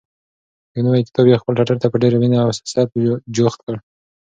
یو نوی کتاب یې خپل ټټر ته په ډېرې مینې او حسرت جوخت کړ.